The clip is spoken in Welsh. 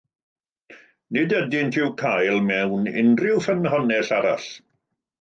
Nid ydynt i'w cael mewn unrhyw ffynhonnell arall.